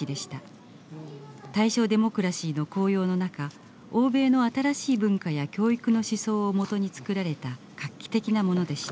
大正デモクラシーの高揚の中欧米の新しい文化や教育の思想をもとに作られた画期的なものでした。